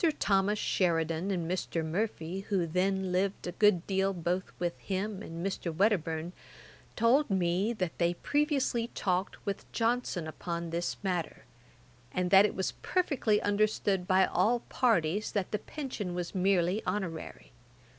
Thomas Sheridan and Mr. Murphy, who then lived a good deal both with him and Mr. Wedderburne, told me, that they previously talked with Johnson upon this matter, and that it was perfectly understood by all parties that the pension was merely honorary.